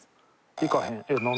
「行かへん」